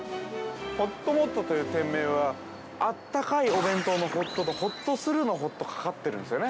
◆ほっともっとという店名は、あったかいお弁当のホットと、ほっとするのほっとがかかっているんですよね？